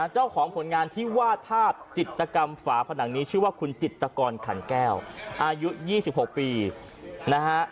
เจ้าของผลงานที่วาดภาพจิตกรรมฝาผนังนี้ชื่อว่าคุณจิตกรขันแก้วอายุ๒๖ปีนะฮะ